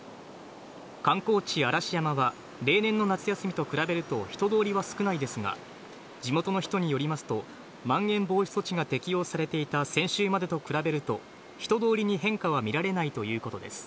観光地、嵐山は、例年の夏休みと比べると人通りは少ないですが、地元の人によりますと、まん延防止措置が適用されていた先週までと比べると、人通りに変化は見られないということです。